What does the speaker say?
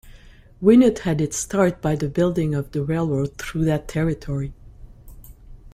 Wynot had its start by the building of the railroad through that territory.